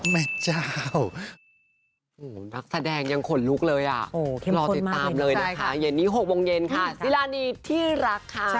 แม่เจ้า